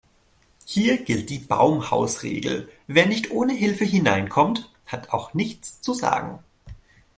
Hier gilt die Baumhausregel: Wer nicht ohne Hilfe hineinkommt, hat auch nichts zu sagen.